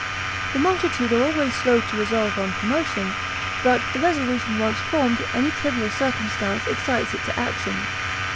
The multitude are always slow to resolve on commotion; but the resolution once formed, any trivial circumstance excites it to action.